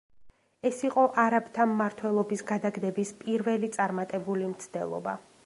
ეს იყო არაბთა მმართველობის გადაგდების პირველი წარმატებული მცდელობა.